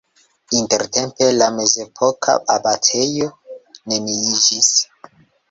Intertempe la mezepoka abatejo neniiĝis.